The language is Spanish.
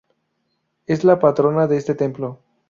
Es la patrona de este templo.